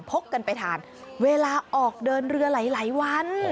กกันไปทานเวลาออกเดินเรือหลายวัน